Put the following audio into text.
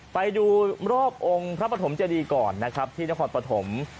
ไปดูรอบองค์พระปฐมเจดีก่อนนะครับที่นครปฐม